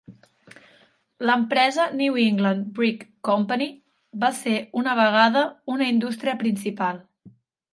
L'empresa New England Brick Company va ser una vegada una indústria principal.